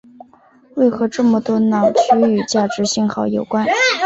为何这么多脑区与价值信号有关。